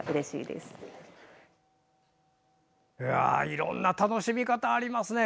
いろんな楽しみ方ありますね。